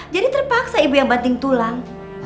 jadi terpaksa ibu yang banting tulang